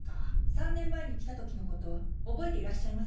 ３年前に来た時のこと覚えていらっしゃいますか？